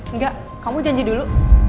enggak kamu janji dulu